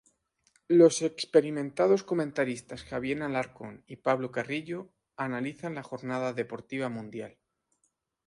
Los experimentados comentaristas Javier Alarcón y Pablo Carrillo analizan la jornada deportiva mundial.